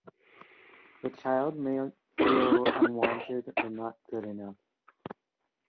The child may feel unwanted or 'not good enough'.